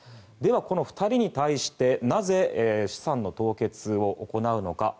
では、この２人に対してなぜ資産の凍結を行うのか。